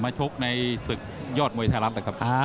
ชกในศึกยอดมวยไทยรัฐนะครับ